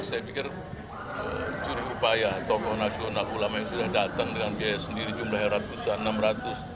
saya pikir curi upaya tokoh nasional ulama yang sudah datang dengan biaya sendiri jumlahnya ratusan rp enam ratus